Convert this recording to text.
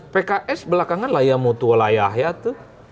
pks belakangan layamutu layahnya tuh